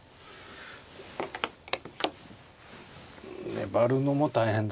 粘るのも大変だね。